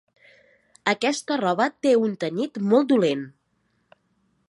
Aquesta roba té un tenyit molt dolent.